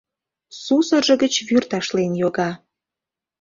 Сусыржо гыч вӱр ташлен йога.